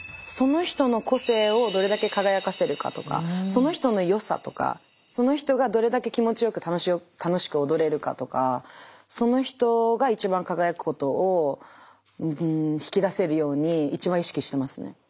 その人の個性をどれだけ輝かせるかとかその人の良さとかその人がどれだけ気持ちよく楽しく踊れるかとかその人が一番輝くことを引き出せるように一番意識してますね。